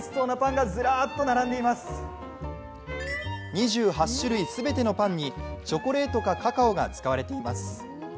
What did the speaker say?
２８種類全てのパンにチョコレートかカカオが使われています。